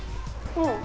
うん。